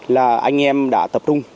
là anh em đã tập trung